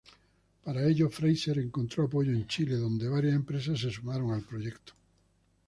Para ello Frazer encontró apoyo en Chile, donde varias empresas se sumaron al proyecto.